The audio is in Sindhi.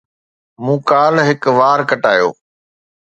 مون ڪالهه هڪ وار ڪٽايو